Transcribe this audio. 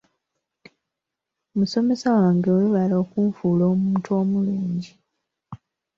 Musomesa wange weebale okunfuula omuntu omulungi.